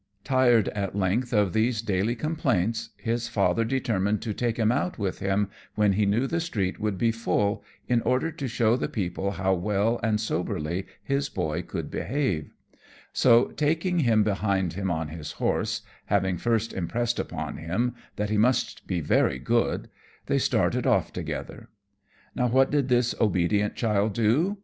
_] Tired, at length, of these daily complaints, his father determined to take him out with him when he knew the street would be full, in order to show the people how well and soberly his boy could behave; so, taking him behind him on his horse, having first impressed upon him that he must be very good, they started off together. Now what did this obedient child do?